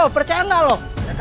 percaya gak lo